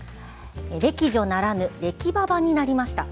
歴女ならぬ、歴ばばになりました。